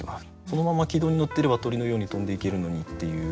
そのまま軌道にのってれば鳥のように飛んでいけるのにっていう。